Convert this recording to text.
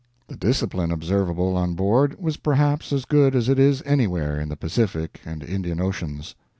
The discipline observable on board was perhaps as good as it is anywhere in the Pacific and Indian Oceans.